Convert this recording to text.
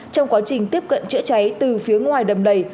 trong quá trình tiếp cận trợ cháy từ phía ngoài đầm lầy